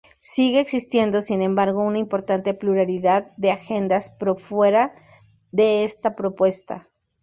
Sigue existiendo, sin embargo, una importante pluralidad de agendas pro fuera de esta propuesta.